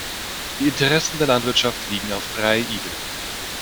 Die Interessen der Landwirtschaft liegen auf drei Ebenen.